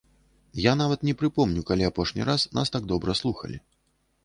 Я нават не прыпомню, калі апошні раз нас так добра слухалі.